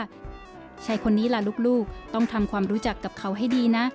ลูกหลานของมันว่าใช้คนนี้ล่ะลูกต้องทำความรู้จักกับเขาให้ดีนะ